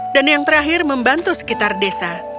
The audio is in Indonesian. dan yang terakhir membantu sekitar desa